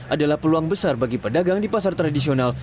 adalah peluang besar bagi pedagang di pasar tradisional